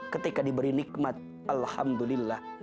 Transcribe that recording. ketika diberi nikmat alhamdulillah